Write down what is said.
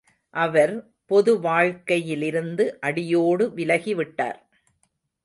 அவர் பொது வாழ்க்கையிலிருந்து அடியோடு விலகி விட்டார்.